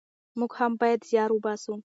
موږ هم بايد زيار وباسو.